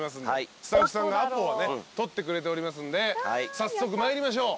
スタッフさんがアポはね取ってくれておりますんで早速参りましょう。